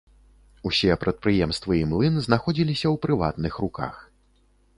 Усе прадпрыемствы і млын знаходзіліся ў прыватных руках.